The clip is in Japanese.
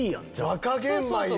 若玄米や！